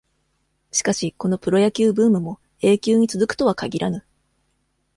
しかし、このプロ野球ブームも、永久に続くとは限らぬ。